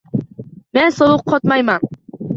Men sovuq qotmayman